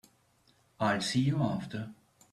I'll see you after.